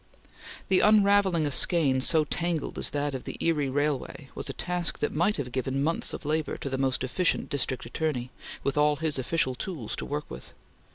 The unravelling a skein so tangled as that of the Erie Railway was a task that might have given months of labor to the most efficient District Attorney, with all his official tools to work with.